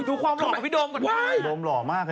ดูความหล่อของพี่โดมก่อนหน้า